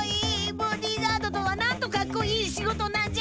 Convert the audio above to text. ボディーガードとはなんとかっこいい仕事なんじゃ。